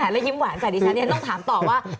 แล้วยิ้มหวานใส่ดิฉันต้องถามต่อว่า